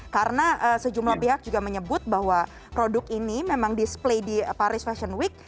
karena sejumlah pihak juga menyebut bahwa produk ini memang display di paris fashion week